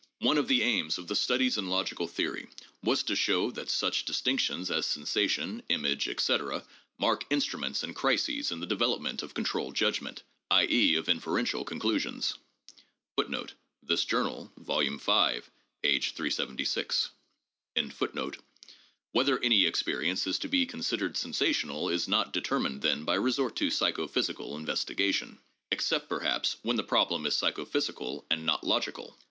"One of the aims of the 'Studies in Logical Theory' was to show ... that ... such dis tinctions as sensation, image, etc., mark instruments and crises in the development of controlled judgment, i. e., of inferential con clusions. ''* Whether any experience is to be considered sensational is not determined then by resort to psychophysical investigation— except, perhaps, where the problem is psychophysical and not logical?